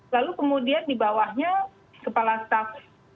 lalu kemudian di bawahnya kepala staff